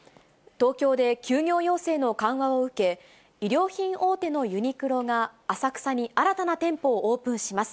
東京で休業要請の緩和を受け、衣料品大手のユニクロが、浅草に新たな店舗をオープンします。